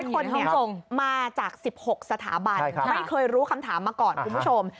คนส่งมาจาก๑๖สถาบันไม่เคยรู้คำถามมาก่อนคุณผู้ชม